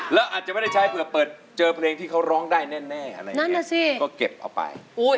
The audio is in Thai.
แล้วอาจจะไม่ได้ใช้เผื่อเปิดเจอเพลงที่เขาร้องได้แน่อะไรอย่างนี้ก็เก็บเอาไป